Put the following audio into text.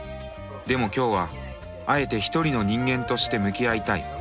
でも今日はあえて一人の人間として向き合いたい。